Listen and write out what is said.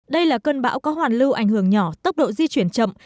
đây là cơn bão có hoàn lưu ảnh hưởng nhỏ tốc độ di chuyển chậm